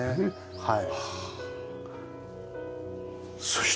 はい。